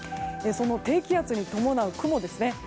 その低気圧に伴う雲ですね。